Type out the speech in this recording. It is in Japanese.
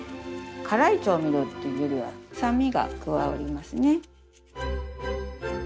辛い調味料っていうよりは酸味が加わりますね。